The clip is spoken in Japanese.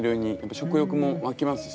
食欲も湧きますし。